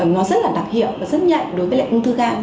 nó rất là đặc hiệu và rất nhạy đối với lại ung thư gan